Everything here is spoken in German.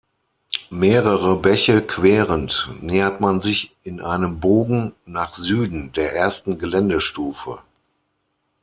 Mehrere Bäche querend nähert man sich in einem Bogen nach Süden der ersten Geländestufe.